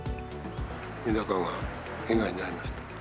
メダカが被害に遭いました。